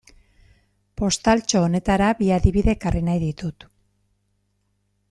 Postaltxo honetara bi adibide ekarri nahi ditut.